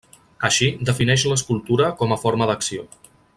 Així, defineix l'escultura com a forma d'acció.